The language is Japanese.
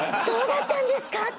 そうだったんですか？